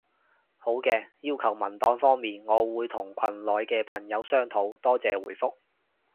好嘅，要求文檔方面，我會同群內嘅朋友商討。多謝回覆